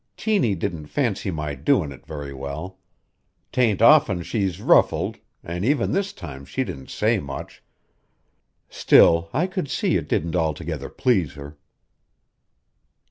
Tiny didn't fancy my doin' it very well. 'Tain't often she's ruffled, an' even this time she didn't say much; still, I could see it didn't altogether please her."